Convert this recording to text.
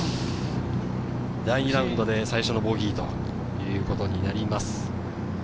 第２ラウンドで最初のボギーということになります。